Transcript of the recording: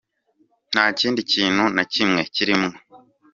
Nta kindi kintu na kimwe kirimwo.